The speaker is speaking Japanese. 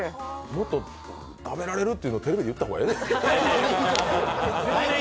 もっと食べられるってテレビで言った方がええで。